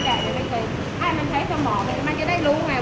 เขาเอาเกียบเราไหม